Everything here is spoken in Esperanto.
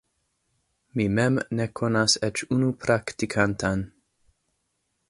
Mi mem ne konas eĉ unu praktikantan.